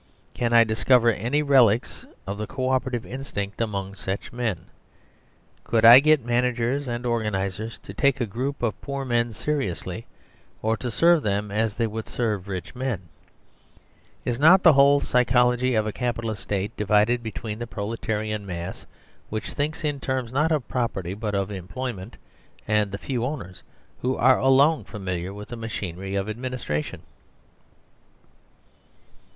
Can I discover any relics of the co operative instinct among such men ? Could I get managers and organisers to take a group of poor men seriously or to serve them as they would serve rich men ? Is not the whole psy chology of a Capitalist society divided between the proletarian mass which thinks in terms not of pro perty but of" employment," and the few owners who are alone familiar with the machinery of administra tion?